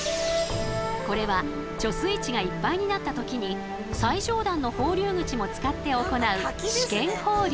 これは貯水池がいっぱいになった時に最上段の放流口も使って行う試験放流。